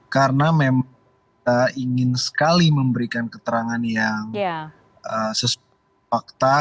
karena memang kita ingin sekali memberikan keterangan yang sesuai fakta